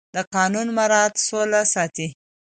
د قانون مراعت سوله ساتي